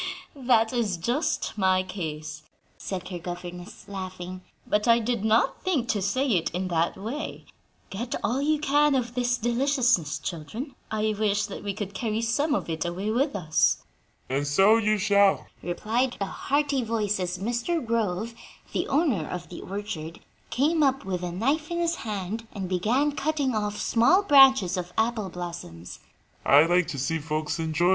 "That is just my case," said her governess, laughing, "but I did not think to say it in that way. Get all you can of this deliciousness, children; I wish that we could carry some of it away with us." "And so you shall," replied a hearty voice as Mr. Grove, the owner of the orchard, came up with a knife in his hand and began cutting off small branches of apple blossoms. "I like to see folks enjoy things."